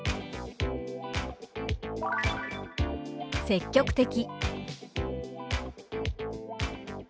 「積極的」。